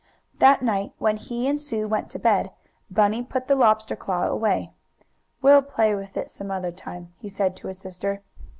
That night, when he and Sue went to bed, Bunny put the lobster claw away. "We'll play with it some other time," he said to his sister.